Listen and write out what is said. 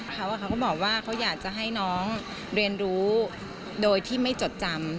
เขาก็บอกว่าเขาอยากจะให้น้องเรียนรู้โดยที่ไม่จดจำ